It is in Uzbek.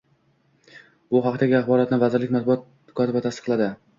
Bu haqdagi axborotni vazirlik matbuot kotibi tasdiqladi.